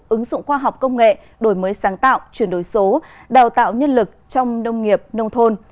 ứng dụng khoa học công nghệ đổi mới sáng tạo chuyển đổi số đào tạo nhân lực trong nông nghiệp nông thôn